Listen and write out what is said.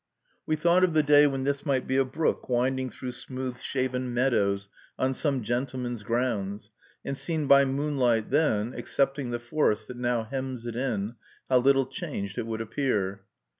We thought of the day when this might be a brook winding through smooth shaven meadows on some gentleman's grounds; and seen by moonlight then, excepting the forest that now hems it in, how little changed it would appear!